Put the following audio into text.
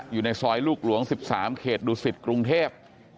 อยู่ในซอยลูกหลวง๑๓เขตดุสิตกรุงเทพ